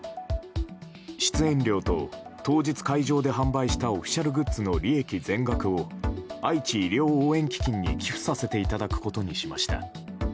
出演料と当日会場で販売したオフィシャルグッズの利益全額をあいち医療応援基金に寄付させていただくことにしました。